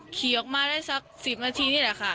ขี่ออกมาได้สัก๑๐นาทีนี่แหละค่ะ